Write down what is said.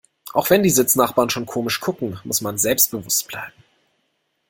Auch wenn die Sitznachbarn schon komisch gucken, muss man selbstbewusst bleiben.